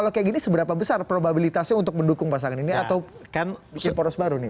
kalau kayak gini seberapa besar probabilitasnya untuk mendukung pasangan ini atau bikin poros baru nih